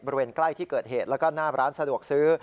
บริเวณใกล้ที่เกิดเหตุแล้วก็หน้าร้านสะดวกซื้อ